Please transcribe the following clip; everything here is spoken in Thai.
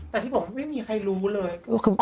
แต่ที่ผมไม่มีใครรู้เลย